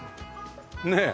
ねえ。